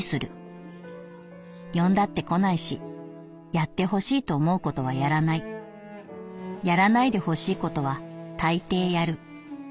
呼んだって来ないしやってほしいと思うことはやらないやらないでほしいことは大抵やる。